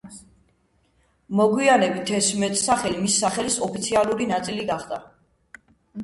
მოგვიანებით ეს მეტსახელი მისი სახელის ოფიციალური ნაწილი გახდა.